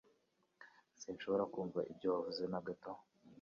Sinshobora kumva ibyo wavuze na gato.